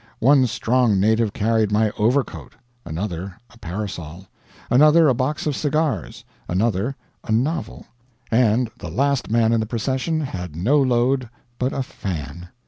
One strong native carried my overcoat, another a parasol, another a box of cigars, another a novel, and the last man in the procession had no load but a fan.